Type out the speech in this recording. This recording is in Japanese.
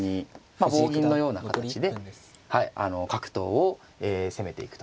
まあ棒銀のような形ではい角頭を攻めていくと。